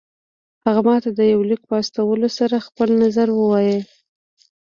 هغه ماته د يوه ليک په استولو سره خپل نظر ووايه.